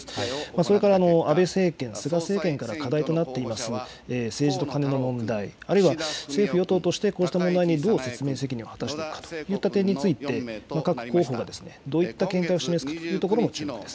それから安倍政権、菅政権から課題となっています、政治のカネの問題、あるいは政府・与党としてこうした問題に、どう説明責任を果たしていくかといった点について、各候補がどういった見解を示すかというところも注目です。